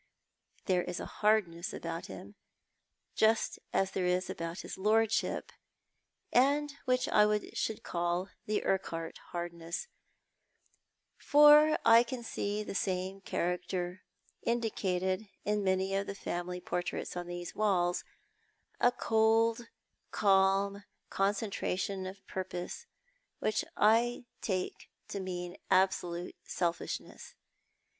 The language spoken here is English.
There is a hardness about him, just as there is about his lordship, and which I should call the Urquhart hardness, for lean see the sarae character indicated in many of the family portraits on these walls — a cold, calm concentration of purpose which I take to mean absolute selfishness.